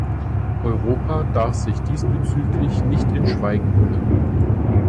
Europa darf sich diesbezüglich nicht in Schweigen hüllen.